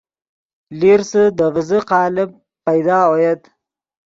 لیرسے دے ڤیزے قالب پیدا اویت